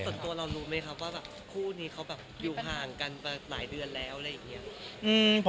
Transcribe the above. แต่ส่วนตัวเรารู้ไหมครับว่าคู่นี้เขาอยู่ห่างกันมาหลายเดือนแล้ว